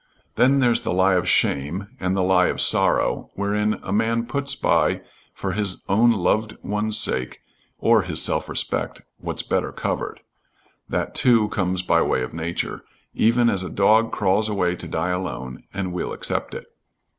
Then there's the lie of shame, and the lie of sorrow, wherein a man puts by, for his own loved one's sake, or his self respect, what's better covered; that, too, comes by way of nature, even as a dog crawls away to die alone, and we'll accept it.